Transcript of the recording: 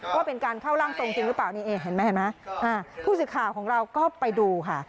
ว่าเป็นการเข้าร่างทรงจริงหรือเปล่านี่เองเห็นไหมเห็นไหมผู้สื่อข่าวของเราก็ไปดูค่ะ